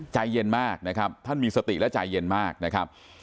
ใจเย็นมากนะครับท่านมีสติและใจเย็นมากนะครับ